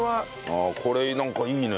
ああこれなんかいいね。